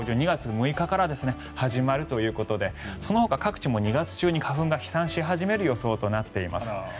２月６日から始まるということでそのほか各地も２月中に花粉が飛散し始める予想となっています。